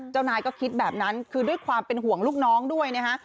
นายก็คิดแบบนั้นคือด้วยความเป็นห่วงลูกน้องด้วยนะฮะ